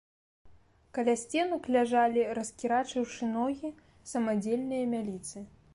Каля сценак ляжалі, раскірачыўшы ногі, самадзельныя мяліцы.